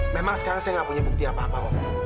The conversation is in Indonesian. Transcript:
memang sekarang saya nggak punya bukti apa apa